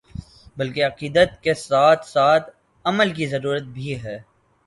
بلکہ عقیدت کے ساتھ ساتھ عمل کی ضرورت بھی ہے ۔